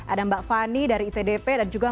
ada mbak fani dari itdp dan juga